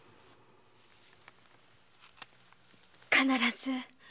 必ず